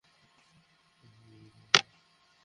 Sir, আমি ঘটনাস্থলে আছি।